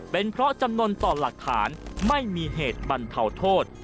เป็นเพราะจำนวนต่อหลักฐานไม่มีเหตุบรรเทาโทษ